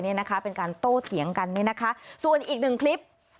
เนี่ยนะคะเป็นการโตเถียงกันเนี่ยนะคะส่วนอีกหนึ่งคลิป